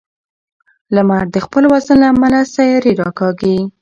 لمر د خپل وزن له امله سیارې راکاږي.